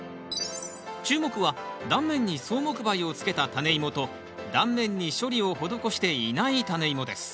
注目は断面に草木灰をつけたタネイモと断面に処理を施していないタネイモです